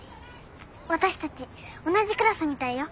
私たち同じクラスみたいよ。